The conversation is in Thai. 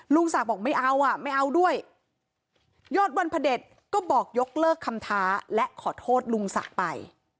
ลุงศักดิ์บอกไม่เอาอ่ะไม่เอาด้วยยอดวันพระเด็จก็บอกยกเลิกคำท้าและขอโทษลุงศักดิ์ไป